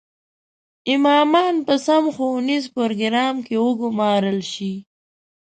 امامان په سم ښوونیز پروګرام کې وګومارل شي.